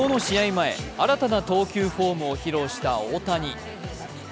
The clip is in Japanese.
前、新たな投球フォームを披露した大谷。